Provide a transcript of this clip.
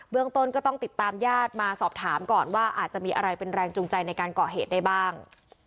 ต้นก็ต้องติดตามญาติมาสอบถามก่อนว่าอาจจะมีอะไรเป็นแรงจูงใจในการก่อเหตุได้บ้าง